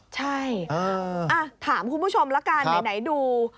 ใช่ถามคุณผู้ชมละกันไหนดู